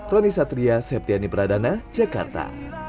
roni satria septiani pradana jakarta